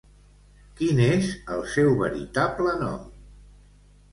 Quin és el seu veritable nom?